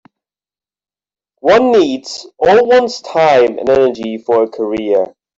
One needs all one's time and energy for a career.